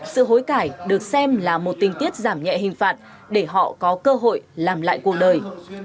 sự hối cãi được xem là một tình tiết giảm nhẹ hình phạt để họ có cơ hội làm lại cuộc đời